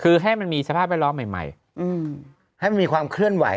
คือให้มันมีสภาพแวดล้อมใหม่ให้มันมีความเคลื่อนไหว